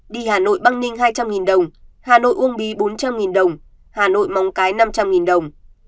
đi hà nội băng ninh hai trăm linh đồng hà nội uông bí bốn trăm linh đồng hà nội mong cái năm trăm linh đồng